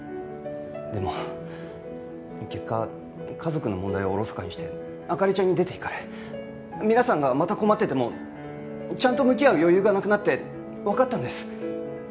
でも結果家族の問題をおろそかにして灯ちゃんに出ていかれ皆さんがまた困っててもちゃんと向き合う余裕がなくなってわかったんです。